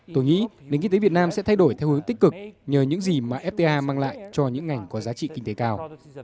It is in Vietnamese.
tôi nghĩ nền kinh tế việt nam sẽ thay đổi theo hướng tích cực nhờ những gì mà fta mang lại cho những ngành có giá trị kinh tế cao